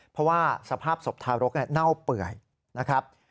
เพราะว่าสภาพศพทารกเน่าเปื่อยนะครับ